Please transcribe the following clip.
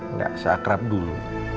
nggak seakrap dulu